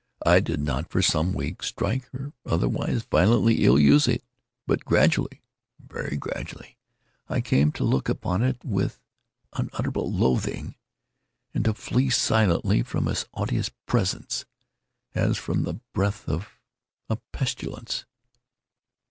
I did not, for some weeks, strike, or otherwise violently ill use it; but gradually—very gradually—I came to look upon it with unutterable loathing, and to flee silently from its odious presence, as from the breath of a pestilence.